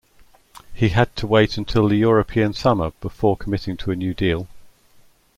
He had to wait until the European summer before committing to a new deal.